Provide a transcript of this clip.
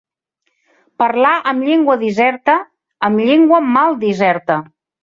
Parlar amb llengua diserta, amb llengua mal diserta.